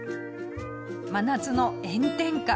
真夏の炎天下。